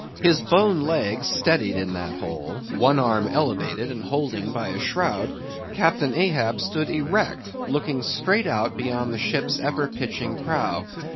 His bone leg steadied in that hole; one arm elevated, and holding by a shroud; Captain Ahab stood erect, looking straight out beyond the ship's ever pitching prow.